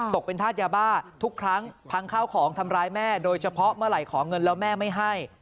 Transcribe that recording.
ตกเป็นธาตุยาบ้าทุกครั้งพังข้าวของทำร้ายแม่โดยเฉพาะเมื่อไหร่ขอเงินแล้วแม่ไม่ให้